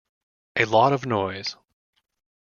A lot of noise.